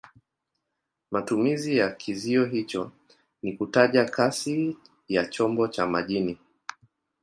Matumizi ya kizio hicho ni kutaja kasi ya chombo cha majini.